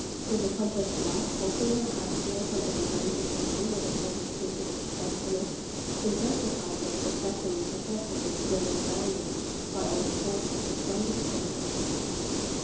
His accomplished wife, forcing her high spirits on everybody's attention with a sort of kittenish playfulness, intensified the depressing effect of the general dullness by all the force of the strongest contrast.